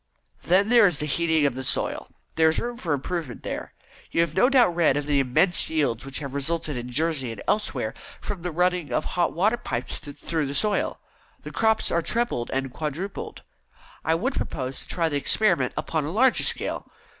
"Then there is the heating of the soil. There is room for improvement there. You have no doubt read of the immense yields which have resulted in Jersey and elsewhere, from the running of hot water pipes through the soil. The crops are trebled and quadrupled. I would propose to try the experiment upon a larger scale.